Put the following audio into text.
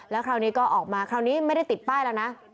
แล้วคราวนี้ก็ออกมาคราวนี้ไม่ได้ติดป้ายแล้วนะ